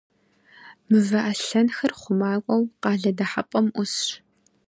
Мывэ аслъэнхэр хъумакӏуэу къалэ дыхьэпӏэм ӏусщ.